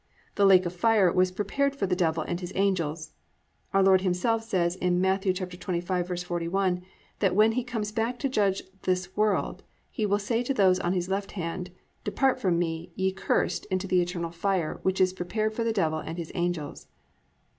"The lake of fire" was "prepared for the Devil and his angels." Our Lord Himself says in Matt. 25:41 that when He comes back to judge this world He will say to those on His left hand: +"Depart from me, ye cursed into the eternal fire, which is prepared for the devil and his angels."